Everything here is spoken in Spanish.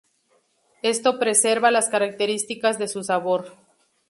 Esto preserva las características de su sabor.